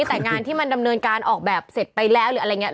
แต่งานที่มันดำเนินการออกแบบเสร็จไปแล้วหรืออะไรอย่างนี้